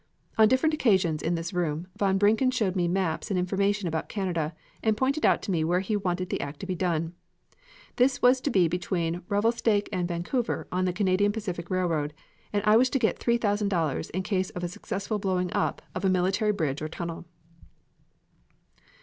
On different occasions, in his room, von Brincken showed me maps and information about Canada, and pointed out to me where he wanted the act to be done. This was to be between Revelstake and Vancouver on the Canadian Pacific Railroad, and I was to get $3,000 in case of a successful blowing up of a military bridge or tunnel."